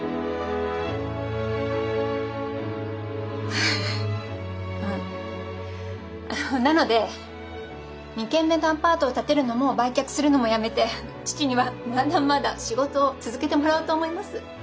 フフあなので２軒目のアパートを建てるのも売却するのもやめて父にはまだまだ仕事を続けてもらおうと思います。